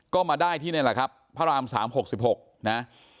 ก็มาได้ที่นี่แหละครับพระราม๓๖๖นะ